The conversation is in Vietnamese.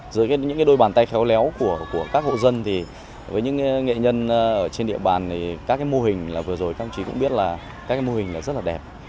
giữa những cái đôi bàn tay khéo léo của các hộ dân thì với những nghệ nhân ở trên địa bàn thì các cái mô hình là vừa rồi các ông chí cũng biết là các cái mô hình là rất là đẹp